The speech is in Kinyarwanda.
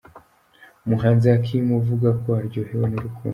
Umuhanzi Hakim uvuga ko aryohewe n'urukundo.